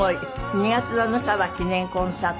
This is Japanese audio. ２月７日は記念コンサート。